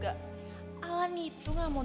bahkan kalau mau playstation